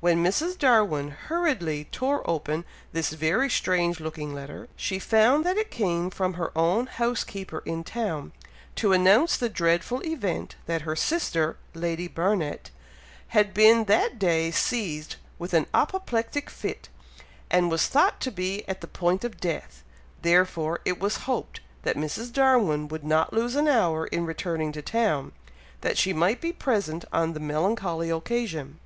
When Mrs. Darwin hurriedly tore open this very strange looking letter, she found that it came from her own housekeeper in town, to announce the dreadful event that her sister, Lady Barnet, had been that day seized with an apoplectic fit, and was thought to be at the point of death, therefore it was hoped that Mrs. Darwin would not lose an hour in returning to town, that she might be present on the melancholy occasion.